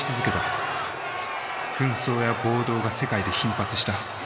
紛争や暴動が世界で頻発した。